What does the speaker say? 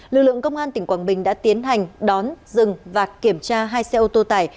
lực lượng công an tỉnh quảng bình đã tiến hành đón dừng và kiểm tra hai xe ô tô tải